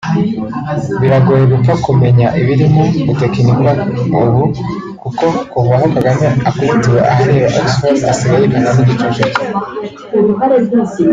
Biragoye gupfa kumenya ibirimo gutekinikwa ubu kuko kuva aho Kagame akubitiwe ahareba Oxford asigaye yikanga n’igicucu cye